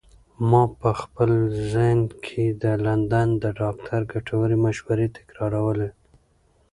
ما په خپل ذهن کې د لندن د ډاکتر ګټورې مشورې تکرارولې.